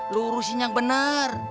lu urusin yang bener